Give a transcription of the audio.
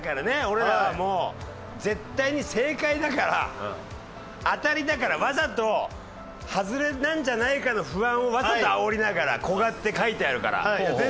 俺らはもう絶対に正解だからアタリだからわざと「ハズレなんじゃないか」の不安をわざと煽りながら「ＫｏＧａ」って書いてあるから。